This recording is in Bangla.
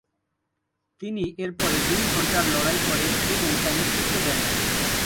তিনি এরপরে দুই ঘণ্টার লড়াই করেন এবং তা নেতৃত্ব দেন।